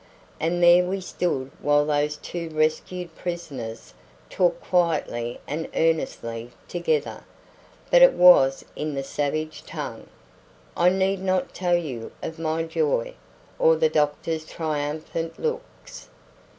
And there we stood while those two rescued prisoners talked quietly and earnestly together, but it was in the savage tongue. I need not tell you of my joy, or the doctor's triumphant looks.